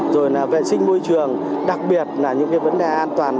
rồi là vệ sinh môi trường đặc biệt là những cái vấn đề an toàn